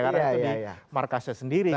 karena itu di markasnya sendiri